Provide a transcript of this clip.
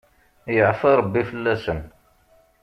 Yeɛfa rebbi fell-asen.